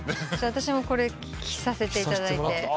私もこれ着させていただいて。